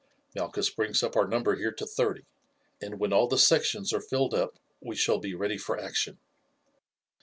Malchus brings up our number here to thirty, and when all the sections are filled up we shall be ready for action.